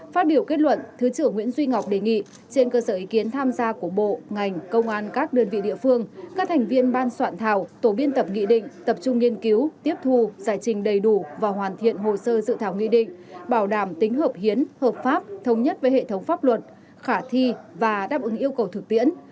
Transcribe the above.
phát biểu kết luận thứ trưởng nguyễn duy ngọc đề nghị trên cơ sở ý kiến tham gia của bộ ngành công an các đơn vị địa phương các thành viên ban soạn thảo tổ biên tập nghị định tập trung nghiên cứu tiếp thu giải trình đầy đủ và hoàn thiện hồ sơ dự thảo nghị định bảo đảm tính hợp hiến hợp pháp thống nhất với hệ thống pháp luật khả thi và đáp ứng yêu cầu thực tiễn